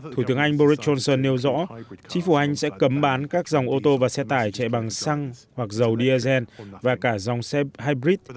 thủ tướng anh boris johnson nêu rõ chính phủ anh sẽ cấm bán các dòng ô tô và xe tải chạy bằng xăng hoặc dầu diesel và cả dòng xe hybrid